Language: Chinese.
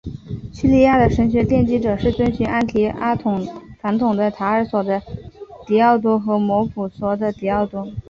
叙利亚的神学奠基者是遵循安提阿传统的塔尔索的狄奥多和摩普绥的狄奥多。